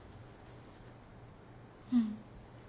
うん。